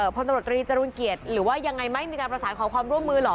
พลตำรวจตรีจรูลเกียรติหรือว่ายังไงไม่มีการประสานขอความร่วมมือเหรอ